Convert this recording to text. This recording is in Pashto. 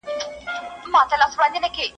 ځینې خلک زما مخامخ کېني او ګولې راته جوړوي.